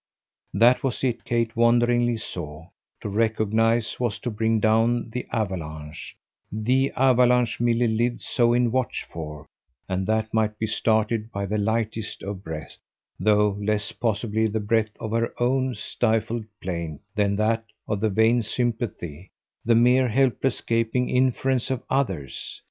That was it, Kate wonderingly saw: to recognise was to bring down the avalanche the avalanche Milly lived so in watch for and that might be started by the lightest of breaths; though less possibly the breath of her own stifled plaint than that of the vain sympathy, the mere helpless gaping inference of others.